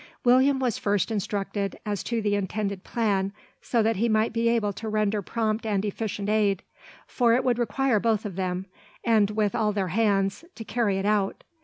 William was first instructed as to the intended plan, so that he might be able to render prompt and efficient aid; for it would require both of them, and with all their hands, to carry it out.